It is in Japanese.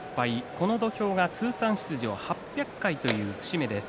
この土俵が通算出場８００回という節目です。